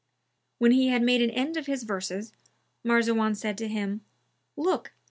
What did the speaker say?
When he had made an end of his verses, Marzawan said to him, "Look!